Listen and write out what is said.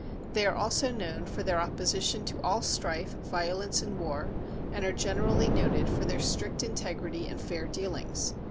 They are also known for their opposition to all strife, violence, and war, and are generally noted for their strict integrity and fair dealings.